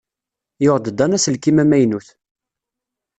Yuɣ-d Dan aselkim amaynut.